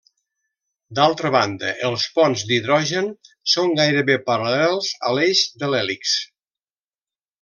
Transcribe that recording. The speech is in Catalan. D'altra banda, els ponts d'hidrogen són gairebé paral·lels a l'eix de l'hèlix.